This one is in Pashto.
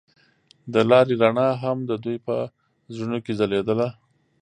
د لاره رڼا هم د دوی په زړونو کې ځلېده.